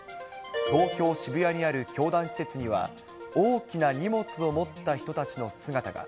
東京・渋谷にある教団施設には大きな荷物を持った人たちの姿が。